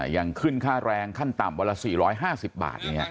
อย่างขึ้นค่าแรงขั้นต่ำวันละ๔๕๐บาท